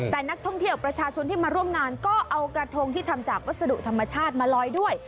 แต่นักท่องเที่ยวประชาชนที่มาร่วมงานก็เอากระทงที่ทำจากวัสดุธรรมชาติมาลอยด้วย